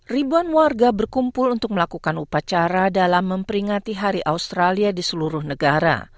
ribuan warga berkumpul untuk melakukan upacara dalam memperingati hari australia di seluruh negara